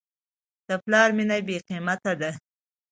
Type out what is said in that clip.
د پلار مینه بېقیمت ده.